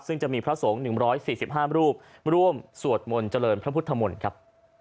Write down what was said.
ซึ่งจะมีพระสงฆ์๑๔๕รูปร่วมสวดมนต์เจริญพระพุทธมนต์ครับ